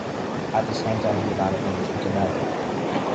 At the same time he demanded permission to marry.